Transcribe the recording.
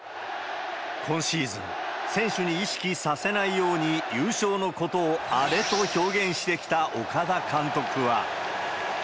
今シーズン、選手に意識させないように、優勝のことをアレと表現してきた岡田監督は。